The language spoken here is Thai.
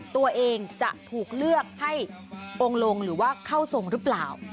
ตัวเองจะถูกเลือกให้องค์ลงหรือว่าเข้าทรงหรือเปล่า